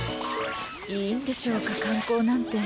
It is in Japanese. いいんでしょうか観光なんて。